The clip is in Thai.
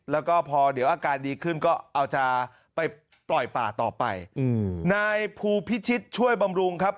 แล้วก็พอเดี๋ยวอาการดีขึ้นก็เอาจะไปปล่อยป่าต่อไปอืมนายภูพิชิตช่วยบำรุงครับ